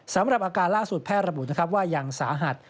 สำหรับอาการล่าสุดแพทย์ระบุนะครับว่ายังสาหัส